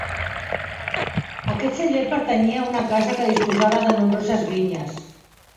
Aquest celler pertanyia a una casa que disposava de nombroses vinyes.